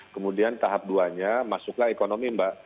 kemudian tahap dua nya masuklah ekonomi mbak